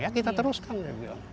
ya kita teruskan dia bilang